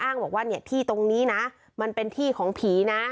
บอกว่าเนี่ยที่ตรงนี้นะมันเป็นที่ของผีนะ